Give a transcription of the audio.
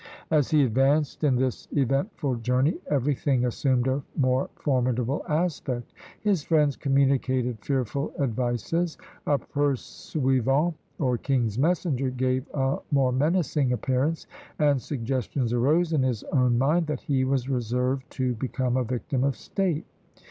As he advanced in this eventful journey, everything assumed a more formidable aspect. His friends communicated fearful advices; a pursuivant, or king's messenger, gave a more menacing appearance; and suggestions arose in his own mind, that he was reserved to become a victim of state.